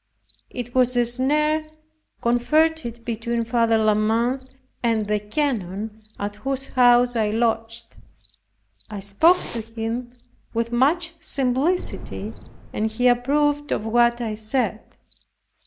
(It was a snare concerted between Father La Mothe and the Canon at whose house I lodged). I spoke to him with much simplicity and he approved of what I said.